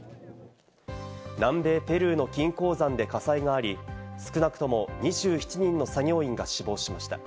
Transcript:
南米ペルーの金鉱山で火災があり、少なくとも２７人の作業員が死亡しました。